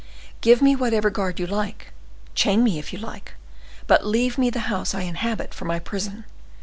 Give me whatever guard you like, chain me if you like, but leave me the house I inhabit for my prison.